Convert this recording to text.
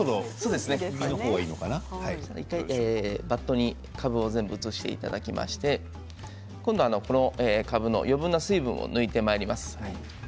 バットにかぶを全部移していただきまして今度は余分な水分を抜いてまいります。